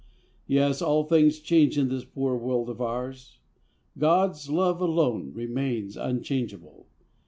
Yes, all things change in this poor world of ours God's love alone remains unchangeable.